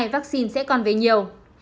vaccine sẽ còn về nhiều